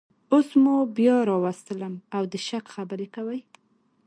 اوس مو بیا راوستلم او د شک خبرې کوئ